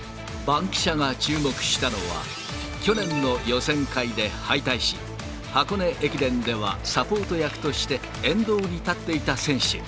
バンキシャが注目したのは、去年の予選会で敗退し、箱根駅伝ではサポート役として沿道に立っていた選手。